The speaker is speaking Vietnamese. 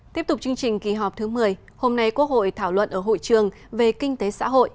tiếp tục chương trình kỳ họp thứ một mươi hôm nay quốc hội thảo luận ở hội trường về kinh tế xã hội